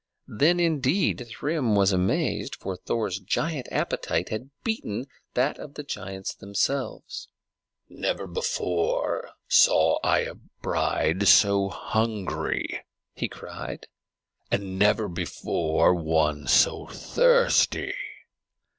Then indeed Thrym was amazed, for Thor's giant appetite had beaten that of the giants themselves. "Never before saw I a bride so hungry," he cried, "and never before one half so thirsty!"